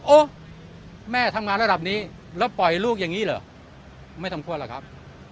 แม่ทำงานระดับนี้แล้วปล่อยลูกอย่างนี้เหรอไม่สมควรหรอกครับ